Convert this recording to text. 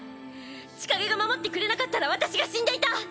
千景が守ってくれなかったら私が死んでいた。